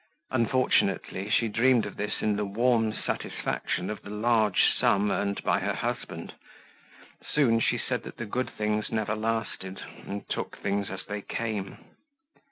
Unfortunately, she dreamed of this in the warm satisfaction of the large sum earned by her husband. Soon, she said that the good things never lasted and took things as they came.